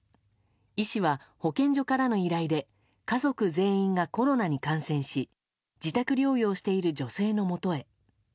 医師は保健所からの依頼で家族全員がコロナに感染し自宅療養している女性のもとへ。